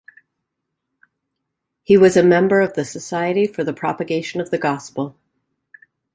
He was a member of the Society for the Propagation of the Gospel.